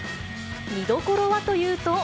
見どころはというと。